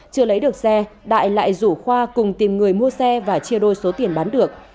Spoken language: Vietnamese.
chưa lấy được xe đại lại rủ khoa cùng tìm người mua xe và chia đôi số tiền bán được